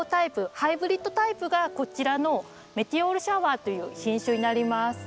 ハイブリッドタイプがこちらのメテオールシャワーという品種になります。